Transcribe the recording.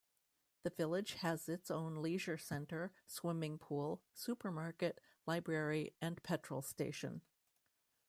The village has its own leisure centre, swimming pool, supermarket, library and petrol station.